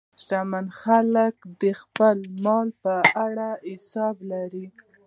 شتمن خلک د خپل مال په اړه حساب لري.